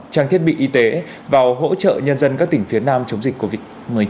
trang thiết bị y tế vào hỗ trợ nhân dân các tỉnh phía nam chống dịch covid một mươi chín